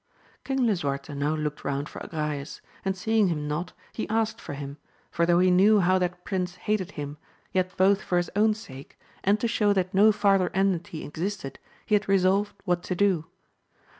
King Lisuarte now looked round for Agrayes, and seeing him not, he asked for him, for though he knew how that prince hated him, yet both for his own sake^ AMADIS OF GAUL. 239 and to show that no farther enmity existed, he had resolved what to do.